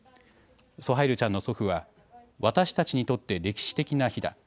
ソハイルちゃんの祖父は私たちにとって歴史的な日だ。